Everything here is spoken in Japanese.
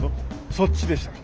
そっちでしたか。